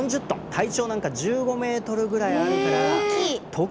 体長なんか１５ｍぐらいあるから。